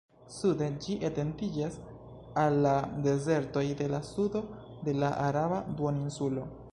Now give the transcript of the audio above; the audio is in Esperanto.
Sude, ĝi etendiĝas al la dezertoj de la sudo de la Araba Duoninsulo.